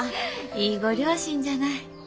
いいご両親じゃない。